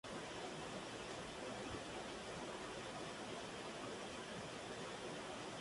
Se interesó en la astronomía, siendo un pionero destacado en esa materia.